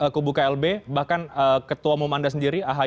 kubu klb bahkan ketua umum anda sendiri ahy